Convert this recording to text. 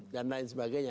dan lain sebagainya